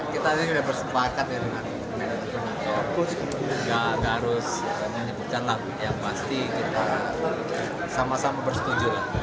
kita sudah bersepakat dengan manajemen untuk tidak harus menyebut catat yang pasti kita sama sama bersetuju